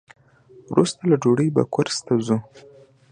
وروسته له ډوډۍ به کورس ته ځو.